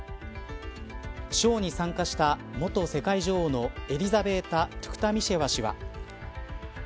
ショーに参加した元世界女王のエリザベータ・トゥクタミシェワ氏は。